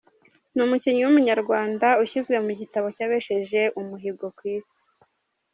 Ni Umukinnyi w’Umunyarwanda ushyizwe mu gitabo cy’abesheje umuhigo ku isi